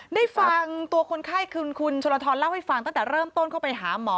ได้ฟังตัวคนไข้คือคุณชลทรเล่าให้ฟังตั้งแต่เริ่มต้นเข้าไปหาหมอ